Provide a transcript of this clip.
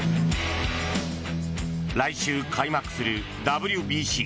来週開幕するＷＢＣ。